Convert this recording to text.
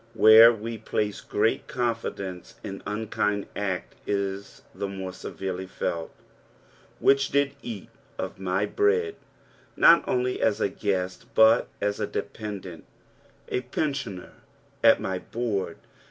Where we place great confidence an unkind act is the more severely felt. " Which did eat ^ my bread." Not only as a guest but as a dependant, a pensioner at my board.